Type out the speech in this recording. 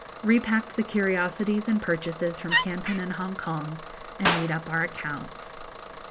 Repacked the curiosities and purchases from Canton and Hongkong, and made up our accounts.